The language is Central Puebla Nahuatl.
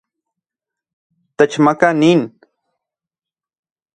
Techmaka nin